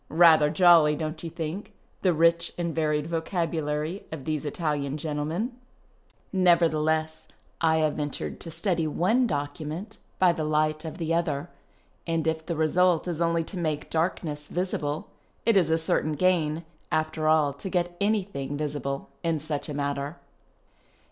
(Rather jolly, don't you think, the rich and varied vocabulary of these Ralian gentlemen ?) Nevertheless, I have ventured to study one document by the light of the other ; and, if the result is only to make darkness visible, it is a 282 FUTURIST DANCING certain gain, after ail, to get any tiling visible in such a matter.